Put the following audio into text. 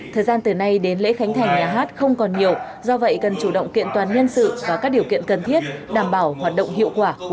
thời gian từ nay đến lễ khánh thành nhà hát không còn nhiều do vậy cần chủ động kiện toàn nhân sự và các điều kiện cần thiết đảm bảo hoạt động hiệu quả